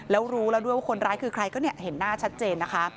แล้วรู้แล้วด้วยว่าคนร้ายคือใครก็เห็นหน้าชัดเจนนะคะ